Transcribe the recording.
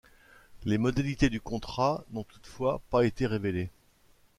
Les modalités du contrat n'ont toutefois pas été révélées.